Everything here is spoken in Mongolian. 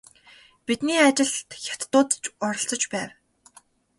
Бидний ажилд хятадууд ч оролцож байв.